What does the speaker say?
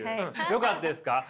よかったです。